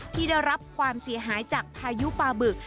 ที่ได้รับความเสียหายจากพายุปลาบึก